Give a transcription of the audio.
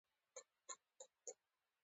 روسان په خپل قلمرو کې تنخواوې ورکوي.